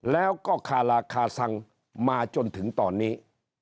แล้วก็คาราคาซังมาจนถึงตอนนี้